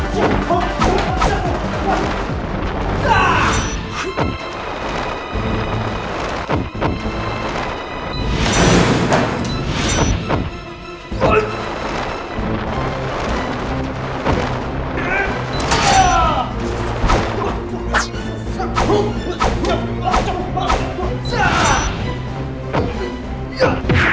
jangan lupa like share dan subscribe ya